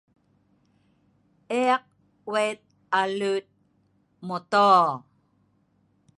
Ek wet aleut motor